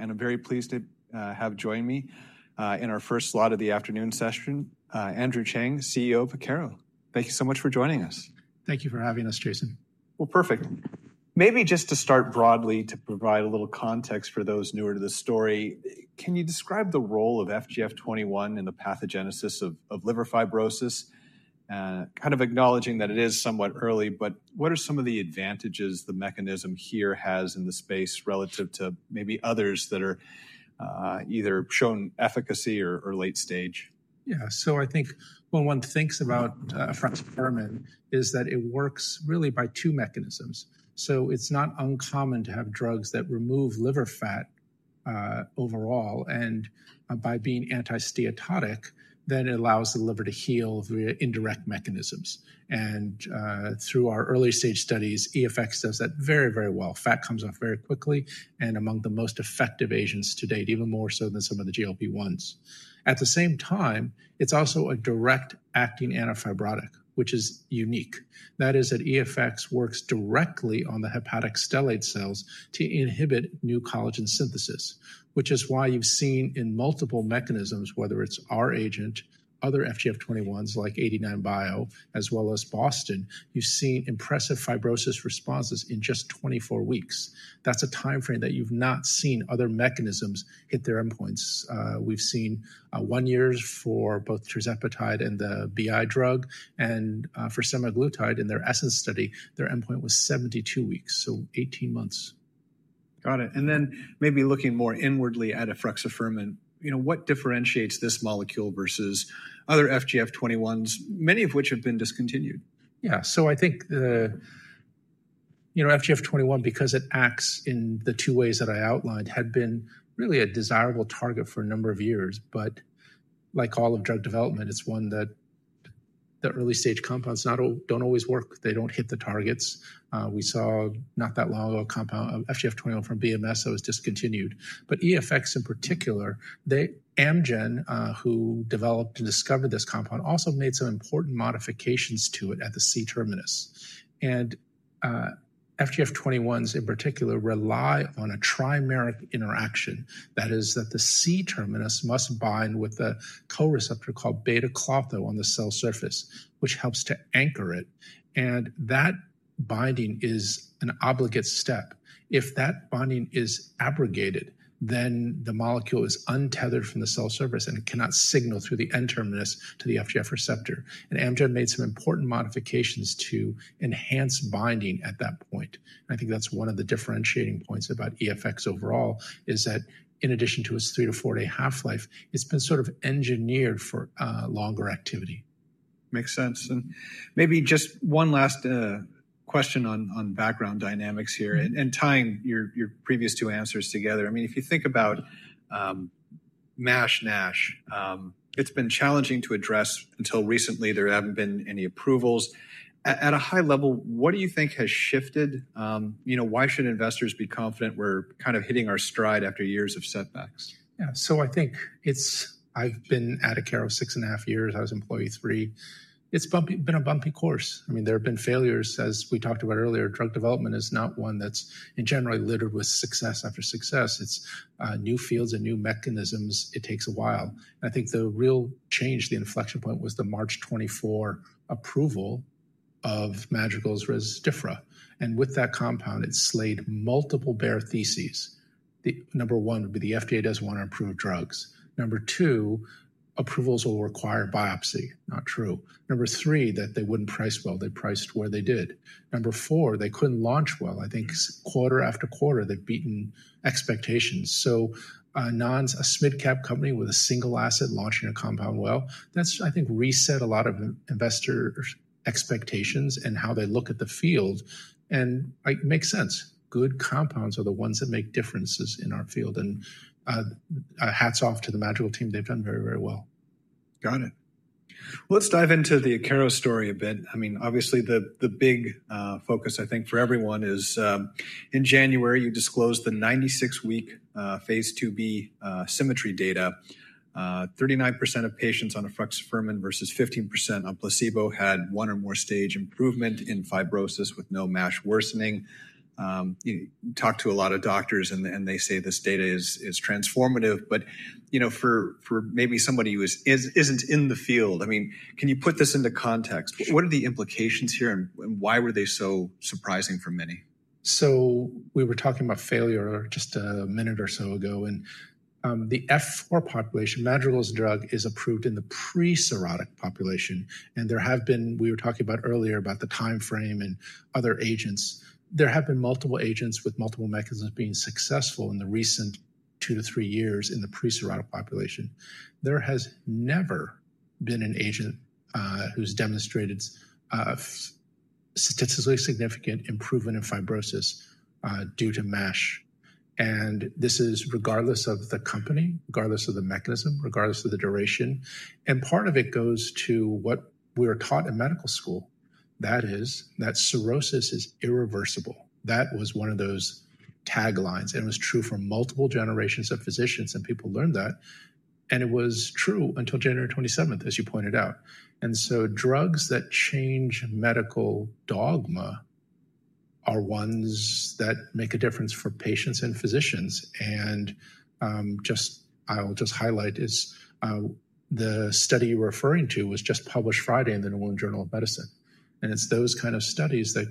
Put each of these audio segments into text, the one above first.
I'm very pleased to have joined me in our first slot of the afternoon session, Andrew Cheng, CEO of Akero. Thank you so much for joining us. Thank you for having us, Jason. Perfect. Maybe just to start broadly, to provide a little context for those newer to the story, can you describe the role of FGF21 in the pathogenesis of liver fibrosis? Kind of acknowledging that it is somewhat early, but what are some of the advantages the mechanism here has in the space relative to maybe others that are either shown efficacy or late stage? Yeah, so I think when one thinks about efruxifermin, it works really by two mechanisms. It is not uncommon to have drugs that remove liver fat overall, and by being anti-steatotic, then it allows the liver to heal via indirect mechanisms. Through our early stage studies, EFX does that very, very well. Fat comes off very quickly, and among the most effective agents to date, even more so than some of the GLP-1s. At the same time, it is also a direct-acting antifibrotic, which is unique. That is, that EFX works directly on the hepatic stellate cells to inhibit new collagen synthesis, which is why you have seen in multiple mechanisms, whether it is our agent, other FGF21s like 89bio, as well as Boston, you have seen impressive fibrosis responses in just 24 weeks. That is a timeframe that you have not seen other mechanisms hit their endpoints. We've seen one year for both tirzepatide and the Bi- drug, and for semaglutide in their ESSENCE study, their endpoint was 72 weeks, so 18 months. Got it. Maybe looking more inwardly at EFX, what differentiates this molecule versus other FGF21s, many of which have been discontinued? Yeah, so I think the FGF21, because it acts in the two ways that I outlined, had been really a desirable target for a number of years. Like all of drug development, it's one that early stage compounds don't always work. They don't hit the targets. We saw not that long ago a compound of FGF21 from Bristol-Myers Squibb that was discontinued. EFX in particular, Amgen, who developed and discovered this compound, also made some important modifications to it at the C-terminus. FGF21s in particular rely on a trimeric interaction. That is, the C-terminus must bind with a co-receptor called β-klotho on the cell surface, which helps to anchor it. That binding is an obligate step. If that binding is abrogated, then the molecule is untethered from the cell surface and cannot signal through the N-terminus to the FGF receptor. Amgen made some important modifications to enhance binding at that point. I think that's one of the differentiating points about EFX overall, is that in addition to its three- to four-day half-life, it's been sort of engineered for longer activity. Makes sense. Maybe just one last question on background dynamics here and tying your previous two answers together. I mean, if you think about MASH-NASH, it's been challenging to address until recently. There haven't been any approvals. At a high level, what do you think has shifted? Why should investors be confident we're kind of hitting our stride after years of setbacks? Yeah, so I think I've been at Akero six and a half years. I was employee three. It's been a bumpy course. I mean, there have been failures, as we talked about earlier. Drug development is not one that's generally littered with success after success. It's new fields and new mechanisms. It takes a while. I think the real change, the inflection point, was the March 2024 approval of Madrigal's Rezdiffra. And with that compound, it slayed multiple bear theses. Number one would be the FDA doesn't want to approve drugs. Number two, approvals will require biopsy. Not true. Number three, that they wouldn't price well. They priced where they did. Number four, they couldn't launch well. I think quarter after quarter, they've beaten expectations. A small-cap company with a single asset launching a compound, well, that has, I think, reset a lot of investors' expectations and how they look at the field. It makes sense. Good compounds are the ones that make differences in our field. Hats off to the Madrigal team. They've done very, very well. Got it. Let's dive into the Akero story a bit. I mean, obviously, the big focus, I think, for everyone is in January, you disclosed the 96-week phase II-B SYMMETRY data. 39% of patients on EFX versus 15% on placebo had one or more stage improvement in fibrosis with no MASH worsening. You talk to a lot of doctors, and they say this data is transformative. But for maybe somebody who isn't in the field, I mean, can you put this into context? What are the implications here, and why were they so surprising for many? We were talking about failure just a minute or so ago. The F4 population, Madrigal's drug is approved in the pre-cirrhotic population. We were talking earlier about the timeframe and other agents. There have been multiple agents with multiple mechanisms being successful in the recent two to three years in the pre-cirrhotic population. There has never been an agent who's demonstrated statistically significant improvement in fibrosis due to MASH. This is regardless of the company, regardless of the mechanism, regardless of the duration. Part of it goes to what we were taught in medical school. That is, that cirrhosis is irreversible. That was one of those taglines. It was true for multiple generations of physicians, and people learned that. It was true until January 27th, as you pointed out. Drugs that change medical dogma are ones that make a difference for patients and physicians. I will just highlight, the study you were referring to was just published Friday in the New England Journal of Medicine. It is those kind of studies that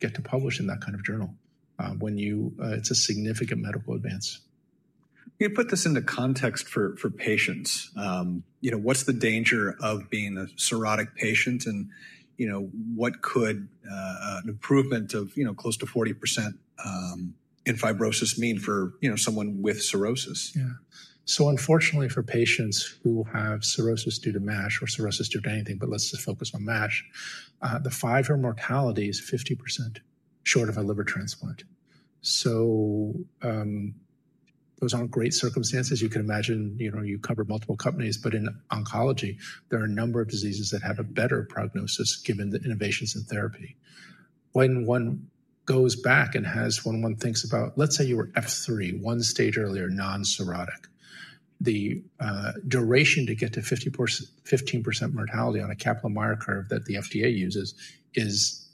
get to publish in that kind of journal when it is a significant medical advance. Can you put this into context for patients? What's the danger of being a cirrhotic patient, and what could an improvement of close to 40% in fibrosis mean for someone with cirrhosis? Yeah. So unfortunately, for patients who have cirrhosis due to MASH or cirrhosis due to anything, but let's just focus on MASH, the five-year mortality is 50% short of a liver transplant. Those aren't great circumstances. You can imagine you cover multiple companies, but in oncology, there are a number of diseases that have a better prognosis given the innovations in therapy. When one goes back and has when one thinks about, let's say you were F3, one stage earlier, non-cirrhotic, the duration to get to 15% mortality on a Kaplan-Meier curve that the FDA uses is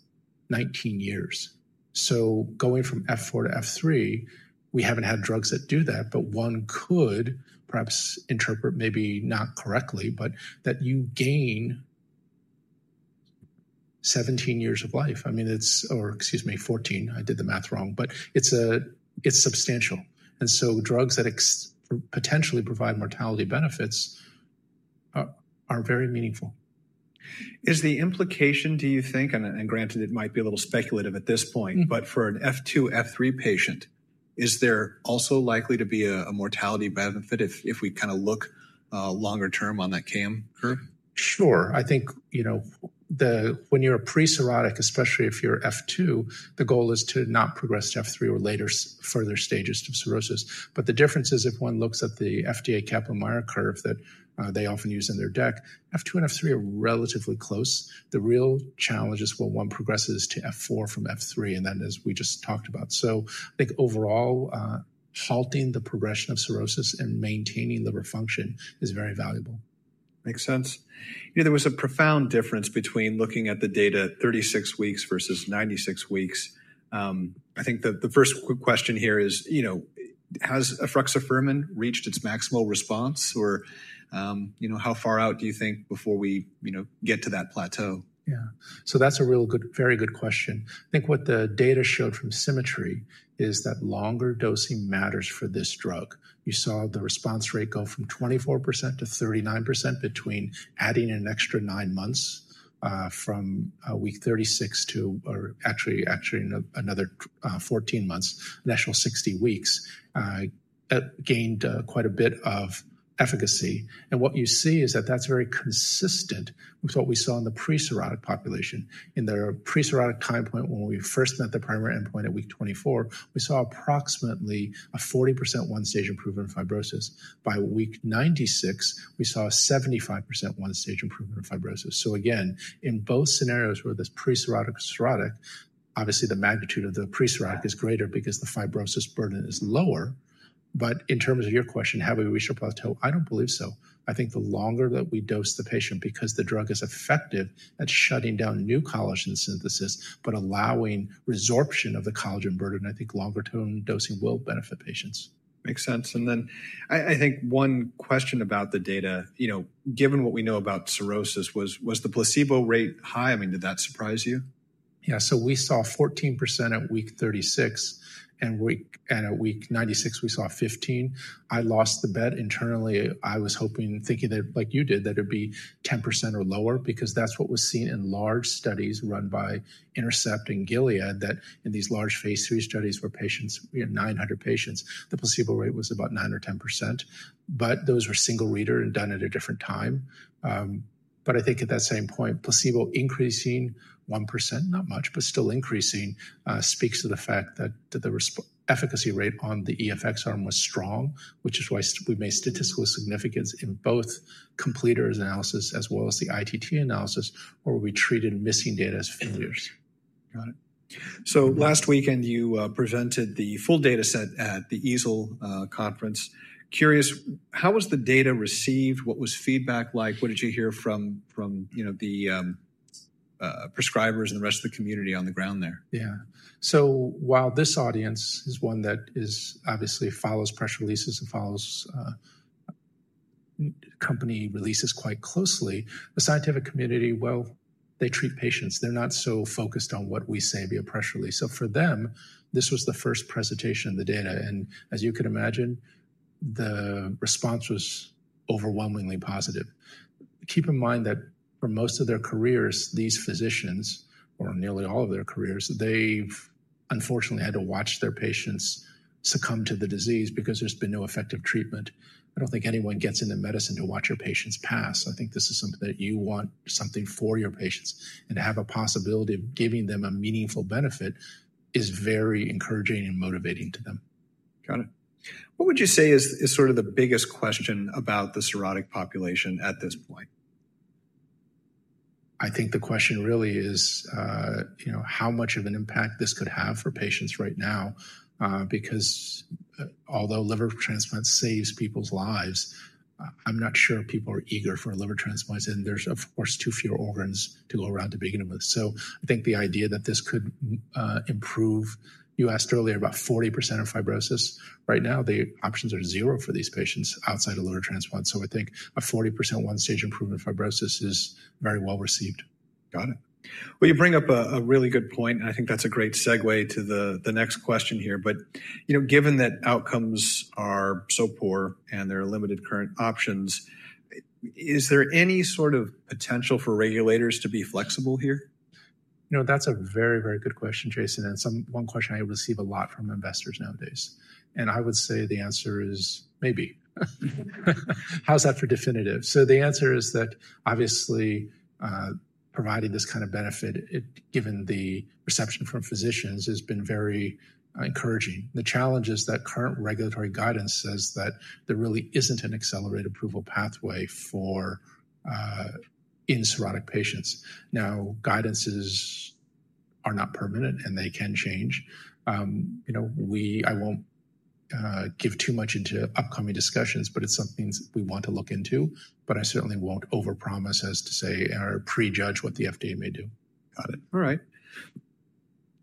19 years. Going from F4 to F3, we haven't had drugs that do that, but one could perhaps interpret maybe not correctly, but that you gain 17 years of life. I mean, it's, or excuse me, 14 years. I did the math wrong, but it's substantial. Drugs that potentially provide mortality benefits are very meaningful. Is the implication, do you think, and granted, it might be a little speculative at this point, but for an F2, F3 patient, is there also likely to be a mortality benefit if we kind of look longer term on that Kaplan-Meier curve? Sure. I think when you're pre-cirrhotic, especially if you're F2, the goal is to not progress to F3 or later further stages of cirrhosis. The difference is if one looks at the FDA Kaplan-Meier curve that they often use in their deck, F2 and F3 are relatively close. The real challenge is when one progresses to F4 from F3, and that is, we just talked about. I think overall, halting the progression of cirrhosis and maintaining liver function is very valuable. Makes sense. There was a profound difference between looking at the data, 36 weeks versus 96 weeks. I think the first question here is, has EFX reached its maximal response, or how far out do you think before we get to that plateau? Yeah. So that's a really good, very good question. I think what the data showed from SYMMETRY is that longer dosing matters for this drug. You saw the response rate go from 24% to 39% between adding an extra nine months from week 36 to actually another 14 months, now 60 weeks. That gained quite a bit of efficacy. What you see is that that's very consistent with what we saw in the pre-cirrhotic population. In their pre-cirrhotic time point, when we first met the primary endpoint at week 24, we saw approximately a 40% one-stage improvement in fibrosis. By week 96, we saw a 75% one-stage improvement in fibrosis. Again, in both scenarios where this pre-cirrhotic is cirrhotic, obviously the magnitude of the pre-cirrhotic is greater because the fibrosis burden is lower. In terms of your question, have we reached a plateau? I don't believe so. I think the longer that we dose the patient, because the drug is effective at shutting down new collagen synthesis, but allowing resorption of the collagen burden, I think longer-term dosing will benefit patients. Makes sense. I think one question about the data, given what we know about cirrhosis, was the placebo rate high? I mean, did that surprise you? Yeah. So we saw 14% at week 36, and at week 96, we saw 15. I lost the bet internally. I was hoping, thinking that, like you did, that it'd be 10% or lower, because that's what was seen in large studies run by INTERCEPT and Gilead, that in these large phase III studies where patients, we had 900 patients, the placebo rate was about 9%or 10%. Those were single reader and done at a different time. I think at that same point, placebo increasing 1%, not much, but still increasing, speaks to the fact that the efficacy rate on the EFX arm was strong, which is why we made statistical significance in both completers analysis as well as the ITT analysis, where we treated missing data as failures. Got it. Last weekend, you presented the full data set at the AASLD conference. Curious, how was the data received? What was feedback like? What did you hear from the prescribers and the rest of the community on the ground there? Yeah. While this audience is one that obviously follows press releases and follows company releases quite closely, the scientific community, well, they treat patients. They're not so focused on what we say via press release. For them, this was the first presentation of the data. As you can imagine, the response was overwhelmingly positive. Keep in mind that for most of their careers, these physicians, or nearly all of their careers, they've unfortunately had to watch their patients succumb to the disease because there's been no effective treatment. I don't think anyone gets into medicine to watch your patients pass. I think this is something that you want, something for your patients. To have a possibility of giving them a meaningful benefit is very encouraging and motivating to them. Got it. What would you say is sort of the biggest question about the cirrhotic population at this point? I think the question really is how much of an impact this could have for patients right now. Because although liver transplant saves people's lives, I'm not sure people are eager for a liver transplant. There are, of course, too few organs to go around to begin with. I think the idea that this could improve, you asked earlier about 40% of fibrosis. Right now, the options are zero for these patients outside of liver transplant. I think a 40% one-stage improvement in fibrosis is very well received. Got it. You bring up a really good point, and I think that's a great segue to the next question here. Given that outcomes are so poor and there are limited current options, is there any sort of potential for regulators to be flexible here? That's a very, very good question, Jason. And one question I receive a lot from investors nowadays. I would say the answer is maybe. How's that for definitive? The answer is that obviously providing this kind of benefit, given the reception from physicians, has been very encouraging. The challenge is that current regulatory guidance says that there really isn't an accelerated approval pathway for in-cirrhotic patients. Now, guidances are not permanent, and they can change. I won't give too much into upcoming discussions, but it's something we want to look into. I certainly won't overpromise as to say or prejudge what the FDA may do. Got it. All right.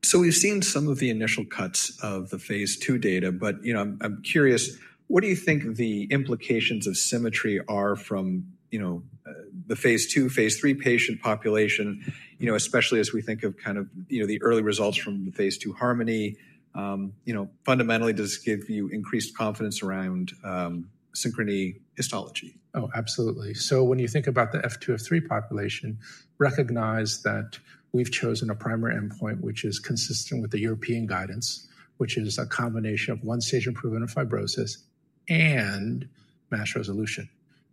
So we've seen some of the initial cuts of the phase two data, but I'm curious, what do you think the implications of SYMMETRY are from the phase II, phaseIII patient population, especially as we think of kind of the early results from the phase II HARMONY? Fundamentally, does this give you increased confidence around SYMMETRY Histology? Oh, absolutely. So when you think about the F2, F3 population, recognize that we've chosen a primary endpoint, which is consistent with the European guidance, which is a combination of one-stage improvement in fibrosis and MASH resolution.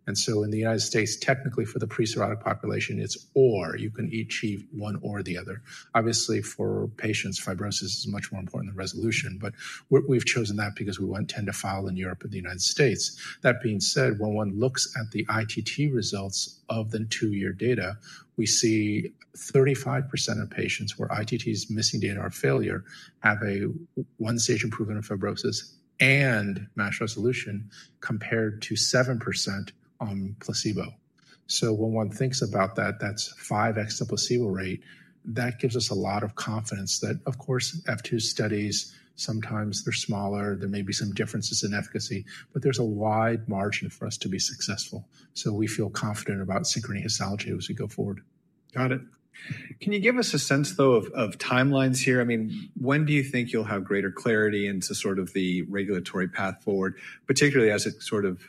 In the United States, technically, for the pre-cirrhotic population, it's or you can achieve one or the other. Obviously, for patients, fibrosis is much more important than resolution, but we've chosen that because we want to file in Europe and the United States. That being said, when one looks at the ITT results of the two-year data, we see 35% of patients where ITT is missing data or failure have a one-stage improvement in fibrosis and MASH resolution compared to 7% on placebo. When one thinks about that, that's 5x the placebo rate. That gives us a lot of confidence that, of course, F2 studies, sometimes they're smaller, there may be some differences in efficacy, but there's a wide margin for us to be successful. We feel confident about SYMMETRY Histology as we go forward. Got it. Can you give us a sense, though, of timelines here? I mean, when do you think you'll have greater clarity into sort of the regulatory path forward, particularly as it sort of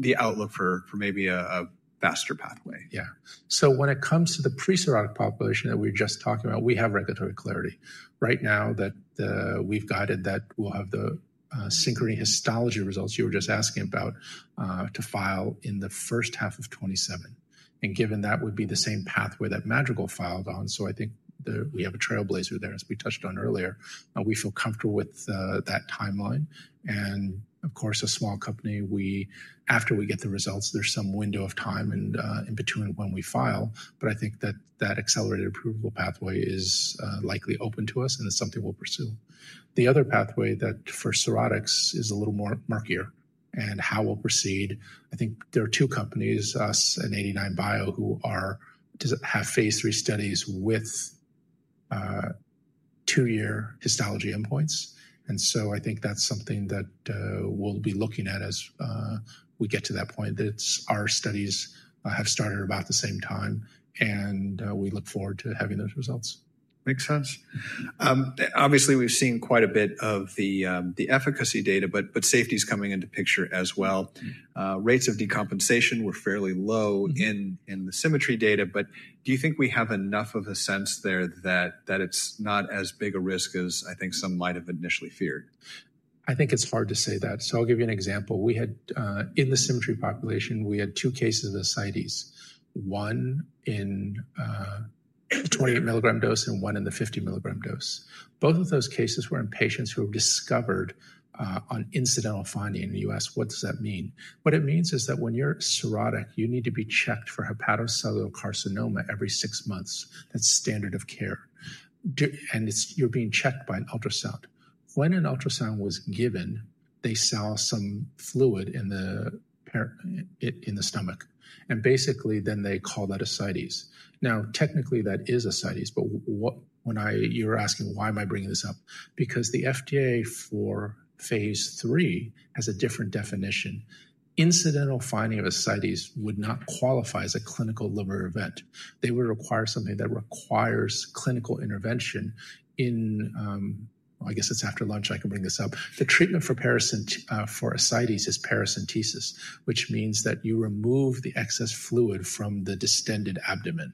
the outlook for maybe a faster pathway? Yeah. So when it comes to the pre-cirrhotic population that we were just talking about, we have regulatory clarity. Right now that we've guided that we'll have the SYMMETRY Histology results you were just asking about to file in the first half of 2027. And given that would be the same pathway that Madrigal filed on, so I think we have a trailblazer there, as we touched on earlier. We feel comfortable with that timeline. Of course, a small company, after we get the results, there's some window of time in between when we file. I think that that accelerated approval pathway is likely open to us, and it's something we'll pursue. The other pathway that for cirrhotics is a little more murkier and how we'll proceed. I think there are two companies, us and 89bio, who have phase three studies with two-year histology endpoints. I think that is something that we will be looking at as we get to that point. Our studies have started about the same time, and we look forward to having those results. Makes sense. Obviously, we've seen quite a bit of the efficacy data, but safety is coming into picture as well. Rates of decompensation were fairly low in the SYMMETRY data, but do you think we have enough of a sense there that it's not as big a risk as I think some might have initially feared? I think it's hard to say that. I'll give you an example. In the SYMMETRY population, we had two cases of ascites, one in the 28 mg dose and one in the 50 mg dose. Both of those cases were in patients who were discovered on incidental finding in the U.S. What does that mean? What it means is that when you're cirrhotic, you need to be checked for hepatocellular carcinoma every six months. That's standard of care. You're being checked by an ultrasound. When an ultrasound was given, they saw some fluid in the stomach. Basically, they call that ascites. Now, technically, that is ascites, but you're asking why am I bringing this up, because the FDA for phase three has a different definition. Incidental finding of ascites would not qualify as a clinical liver event. They would require something that requires clinical intervention in, I guess it's after lunch, I can bring this up. The treatment for ascites is paracentesis, which means that you remove the excess fluid from the distended abdomen.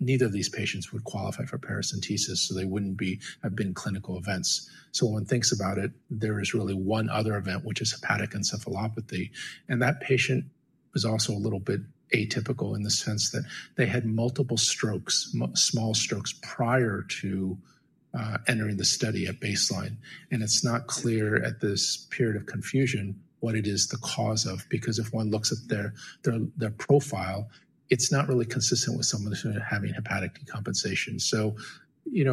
Neither of these patients would qualify for paracentesis, so they wouldn't have been clinical events. When one thinks about it, there is really one other event, which is hepatic encephalopathy. That patient was also a little bit atypical in the sense that they had multiple strokes, small strokes prior to entering the study at baseline. It's not clear at this period of confusion what it is the cause of, because if one looks at their profile, it's not really consistent with someone who's having hepatic decompensation.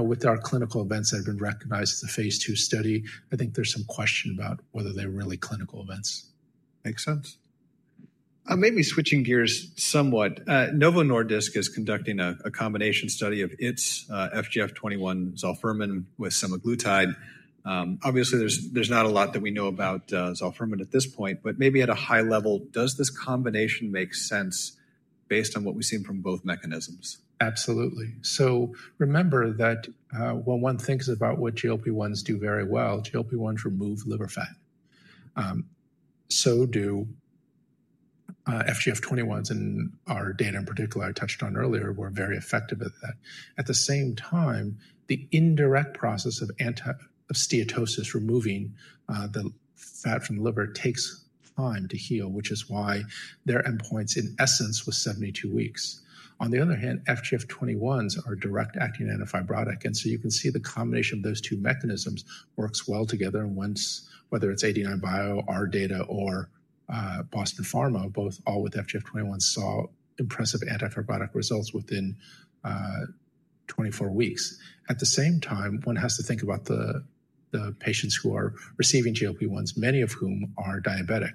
With our clinical events that have been recognized as a phase two study, I think there's some question about whether they're really clinical events. Makes sense. Maybe switching gears somewhat, Novo Nordisk is conducting a combination study of its FGF21 zalfermin with semaglutide. Obviously, there's not a lot that we know about zalfermin at this point, but maybe at a high level, does this combination make sense based on what we've seen from both mechanisms? Absolutely. Remember that when one thinks about what GLP-1s do very well, GLP-1s remove liver fat. FGF21s in our data in particular, I touched on earlier, were very effective at that. At the same time, the indirect process of steatosis, removing the fat from the liver, takes time to heal, which is why their endpoints in essence was 72 weeks. On the other hand, FGF21s are direct-acting anti-fibrotic. You can see the combination of those two mechanisms works well together. Whether it is 89bio, our data, or Boston Pharma, all with FGF21s saw impressive anti-fibrotic results within 24 weeks. At the same time, one has to think about the patients who are receiving GLP-1s, many of whom are diabetic.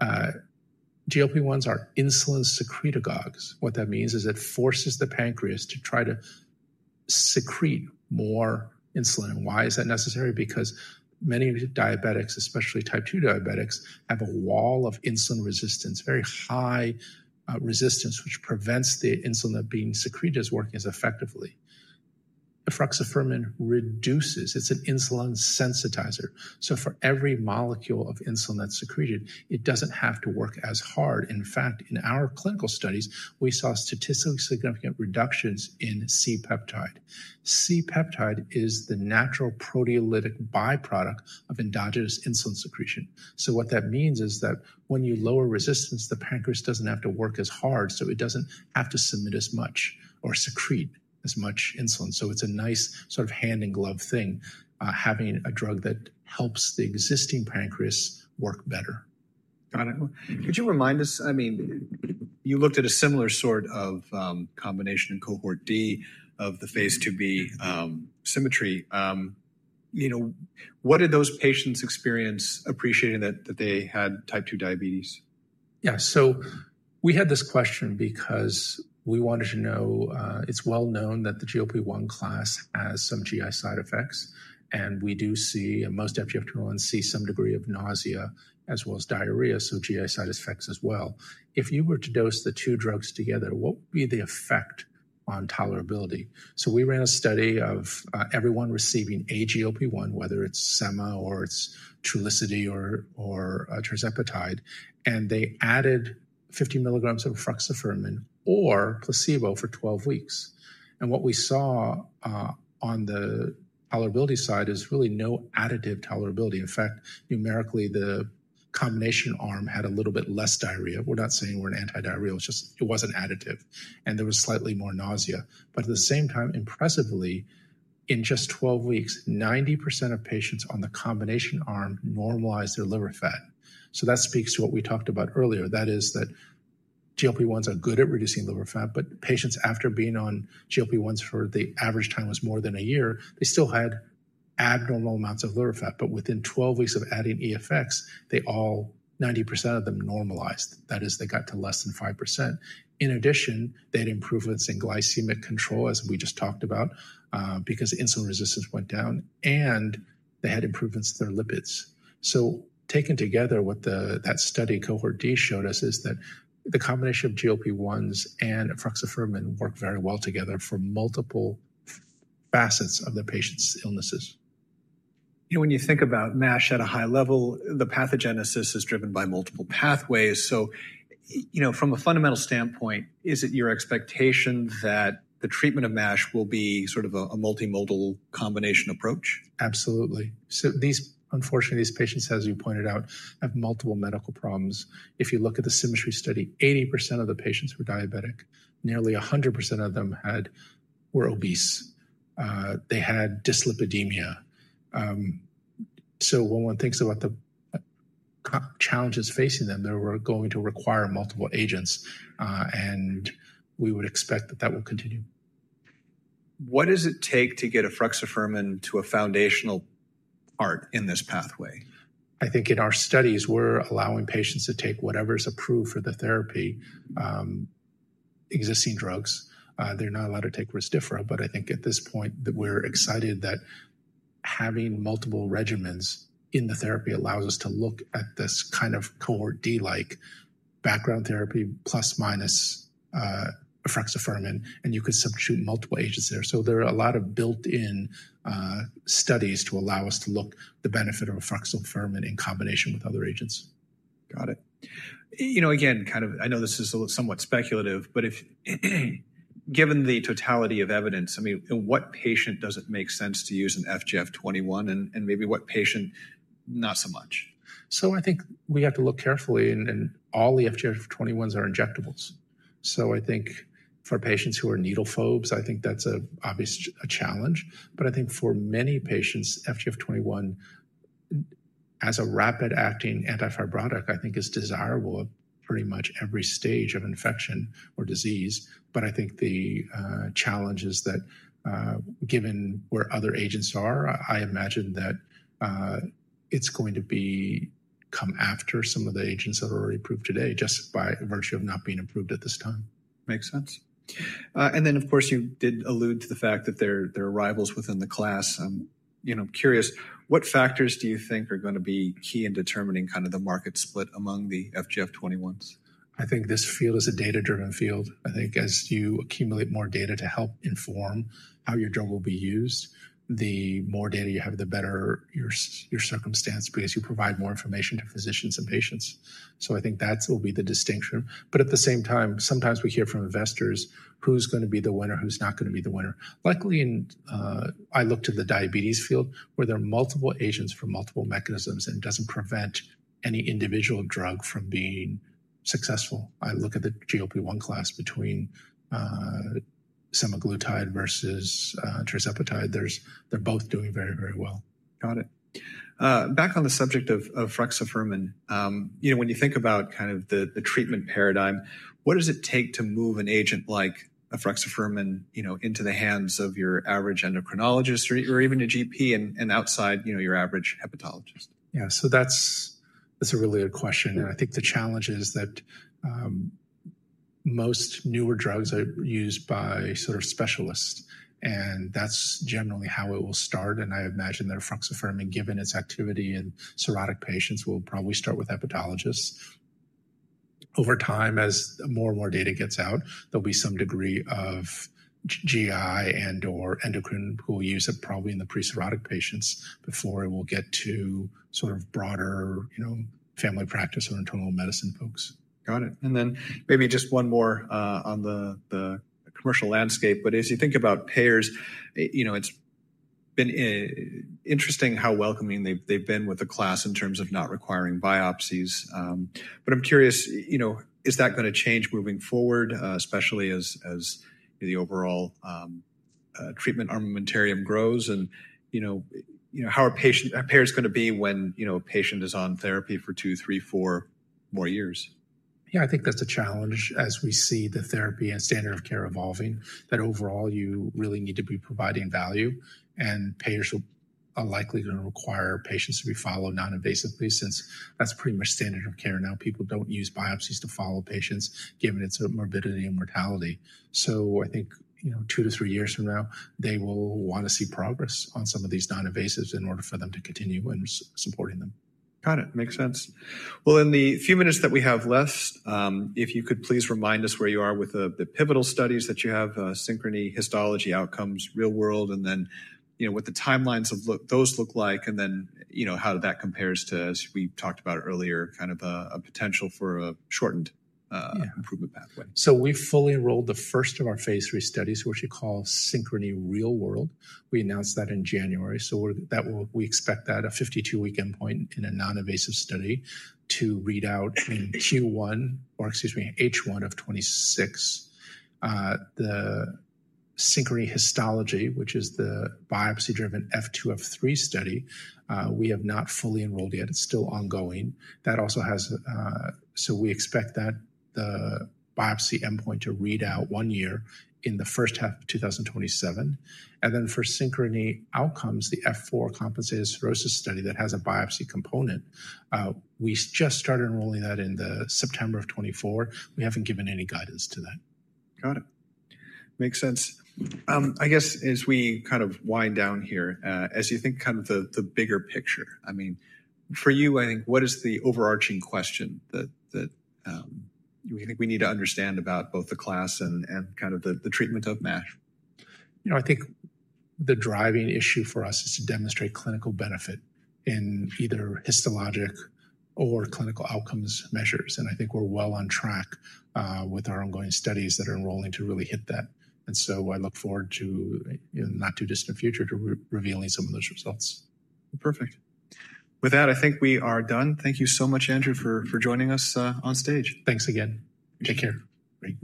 GLP-1s are insulin secretagogues. What that means is it forces the pancreas to try to secrete more insulin. Why is that necessary? Because many diabetics, especially type two diabetics, have a wall of insulin resistance, very high resistance, which prevents the insulin that's being secreted as working as effectively. The efruxifermin reduces, it's an insulin sensitizer. For every molecule of insulin that's secreted, it doesn't have to work as hard. In fact, in our clinical studies, we saw statistically significant reductions in C-peptide. C-peptide is the natural proteolytic byproduct of endogenous insulin secretion. What that means is that when you lower resistance, the pancreas doesn't have to work as hard, so it doesn't have to submit as much or secrete as much insulin. It's a nice sort of hand-in-glove thing, having a drug that helps the existing pancreas work better. Got it. Could you remind us, I mean, you looked at a similar sort of combination in cohort D of the phase II-b SYMMETRY. What did those patients experience appreciating that they had type two diabetes? Yeah. We had this question because we wanted to know, it's well known that the GLP-1 class has some GI side effects. We do see, most FGF21s see some degree of nausea as well as diarrhea, so GI side effects as well. If you were to dose the two drugs together, what would be the effect on tolerability? We ran a study of everyone receiving a GLP-1, whether it's semaglutide or it's Trulicity or tirzepatide, and they added 50 mg of efruxifermin or placebo for 12 weeks. What we saw on the tolerability side is really no additive tolerability. In fact, numerically, the combination arm had a little bit less diarrhea. We're not saying we're an antidiarrheal, it wasn't additive. There was slightly more nausea. At the same time, impressively, in just 12 weeks, 90% of patients on the combination arm normalized their liver fat. That speaks to what we talked about earlier. That is that GLP-1s are good at reducing liver fat, but patients after being on GLP-1s for the average time was more than a year, they still had abnormal amounts of liver fat. Within 12 weeks of adding EFX, they all, 90% of them, normalized. That is, they got to less than 5%. In addition, they had improvements in glycemic control, as we just talked about, because insulin resistance went down, and they had improvements in their lipids. Taken together, what that study cohort D showed us is that the combination of GLP-1s and efruxifermin worked very well together for multiple facets of the patient's illnesses. When you think about MASH at a high level, the pathogenesis is driven by multiple pathways. From a fundamental standpoint, is it your expectation that the treatment of MASH will be sort of a multimodal combination approach? Absolutely. Unfortunately, these patients, as you pointed out, have multiple medical problems. If you look at the SYMMETRY study, 80% of the patients were diabetic. Nearly 100% of them were obese. They had dyslipidemia. When one thinks about the challenges facing them, they are going to require multiple agents, and we would expect that that will continue. What does it take to get efruxifermin to a foundational part in this pathway? I think in our studies, we're allowing patients to take whatever is approved for the therapy, existing drugs. They're not allowed to take Rezdiffra, but I think at this point that we're excited that having multiple regimens in the therapy allows us to look at this kind of cohort D-like background therapy, plus minus efruxifermin, and you could subshoot multiple agents there. So there are a lot of built-in studies to allow us to look at the benefit of efruxifermin in combination with other agents. Got it. Again, kind of I know this is somewhat speculative, but given the totality of evidence, I mean, in what patient does it make sense to use an FGF21, and maybe what patient not so much? I think we have to look carefully, and all the FGF21s are injectables. I think for patients who are needle phobes, I think that's obviously a challenge. I think for many patients, FGF21 as a rapid-acting anti-fibrotic, I think is desirable at pretty much every stage of infection or disease. I think the challenge is that given where other agents are, I imagine that it's going to come after some of the agents that are already approved today just by virtue of not being approved at this time. Makes sense. Of course, you did allude to the fact that there are rivals within the class. I'm curious, what factors do you think are going to be key in determining kind of the market split among the FGF21s? I think this field is a data-driven field. I think as you accumulate more data to help inform how your drug will be used, the more data you have, the better your circumstance because you provide more information to physicians and patients. I think that will be the distinction. At the same time, sometimes we hear from investors, who's going to be the winner, who's not going to be the winner. Luckily, I looked at the diabetes field where there are multiple agents for multiple mechanisms and it does not prevent any individual drug from being successful. I look at the GLP-1 class between semaglutide versus tirzepatide. They're both doing very, very well. Got it. Back on the subject of efruxifermin, when you think about kind of the treatment paradigm, what does it take to move an agent like efruxifermin into the hands of your average endocrinologist or even a GP and outside your average hepatologist? Yeah, so that's a really good question. I think the challenge is that most newer drugs are used by sort of specialists. That's generally how it will start. I imagine that efruxifermin, given its activity in cirrhotic patients, will probably start with hepatologists. Over time, as more and more data gets out, there'll be some degree of GI and/or endocrine who will use it probably in the pre-cirrhotic patients before it will get to sort of broader family practice or internal medicine folks. Got it. Maybe just one more on the commercial landscape. As you think about payers, it's been interesting how welcoming they've been with the class in terms of not requiring biopsies. I'm curious, is that going to change moving forward, especially as the overall treatment armamentarium grows? How are payers going to be when a patient is on therapy for two, three, four more years? Yeah, I think that's a challenge as we see the therapy and standard of care evolving, that overall you really need to be providing value. Payers are likely going to require patients to be followed non-invasively since that's pretty much standard of care now. People do not use biopsies to follow patients given its morbidity and mortality. I think two to three years from now, they will want to see progress on some of these non-invasives in order for them to continue in supporting them. Got it. Makes sense. In the few minutes that we have left, if you could please remind us where you are with the pivotal studies that you have, SYNCHRONY Histology, Outcomes, Real-World, and then what the timelines of those look like, and then how that compares to, as we talked about earlier, kind of a potential for a shortened improvement pathway. We fully enrolled the first of our phase three studies, which we call SYNCHRONY Real-World. We announced that in January. We expect that a 52-week endpoint in a non-invasive study to read out in the first half of 2026. The SYNCHRONY Histology, which is the biopsy-driven F2-F3 study, we have not fully enrolled yet. It is still ongoing. We expect that the biopsy endpoint to read out one year in the first half of 2027. For SYNCHRONY Outcomes, the F4 compensated cirrhosis study that has a biopsy component, we just started enrolling that in September of 2024. We have not given any guidance to that. Got it. Makes sense. I guess as we kind of wind down here, as you think kind of the bigger picture, I mean, for you, I think what is the overarching question that we think we need to understand about both the class and kind of the treatment of MASH? I think the driving issue for us is to demonstrate clinical benefit in either histologic or clinical outcomes measures. I think we're well on track with our ongoing studies that are enrolling to really hit that. I look forward to, in the not too distant future, to revealing some of those results. Perfect. With that, I think we are done. Thank you so much, Andrew, for joining us on stage. Thanks again. Take care. Great.